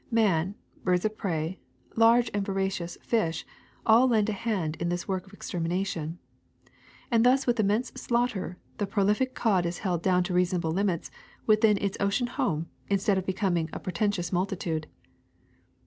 Man, birds of prey, large and voracious fish — all lend a hand in this work of extermination. And thus with immense slaughter the prolific cod is held down to reasonable limits within its ocean home instead of becoming a portentous multitude.